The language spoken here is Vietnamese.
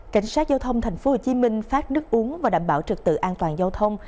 cảnh sát giao thông tp hcm phát nước uống và đảm bảo trực tự an toàn giao thông